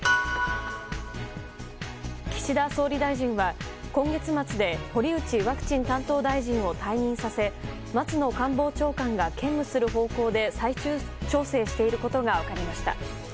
岸田総理大臣は、今月末で堀内ワクチン担当大臣を退任させ松野官房長官が兼務する方向で最終調整していることが分かりました。